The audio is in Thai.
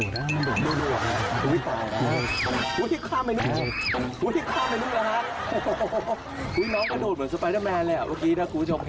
รู้สึกยังไงบ้างครับ